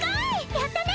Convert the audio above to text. やったね！